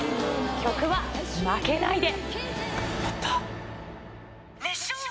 曲は、負けないで。